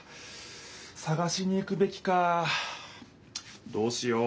さがしに行くべきかどうしよう。